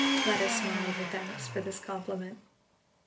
Fleda smiled her thanks for this compliment.